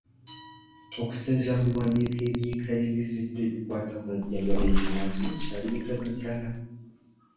Okusinziira ku biwandiiko ebyekaliriziddwa ebikwata ku nzijanjaba y'ekinnansi bikyali bitono ddala.